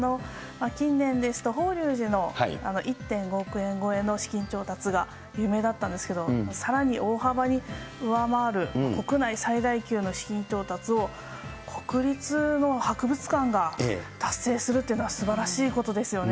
近年ですと、法隆寺の１．５億円超えの資金調達が有名だったんですけど、さらに大幅に上回る、国内最大級の資金調達を国立の博物館が達成するというのはすばらしいことですよね。